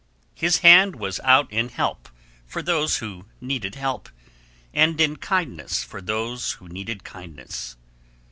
His hand was out in help for those who needed help, and in kindness for those who needed kindness.